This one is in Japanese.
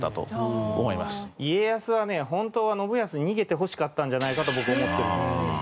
家康はねホントは信康に逃げてほしかったんじゃないかと僕は思っています。